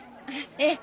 ええ。